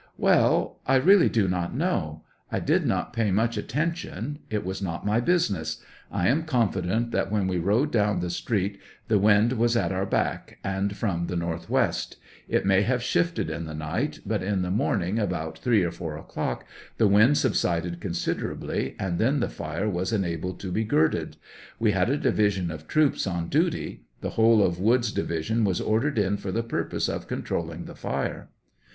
Well, I really do not know ; I did not pay much attention ; it was not my business ; I am confident that when we rode down the street the wind was at our back, and from the Northwest ; it may have shifted in 99 the night, but in the morning about 3 or 4 o'clock, the wind subsided considerably, and then the fire was enabled to be girded ; we had a division of troops on duty ; the whole of Woods' division was ordered in for the purpose of controlling the fire.